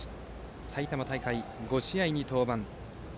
埼玉大会５試合に登板。